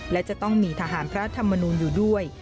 และจะต้องมีทหารพระธรรมนูลอยู่ด้วย